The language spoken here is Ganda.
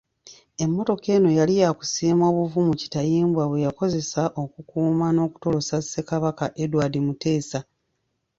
Emmotoka eno yali yakusiima obuvumu Kitayimbwa bwe yakozesa okukuuma n’okutolosa Ssekabaka Edward Muteesa.